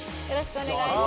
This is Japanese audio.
お願いします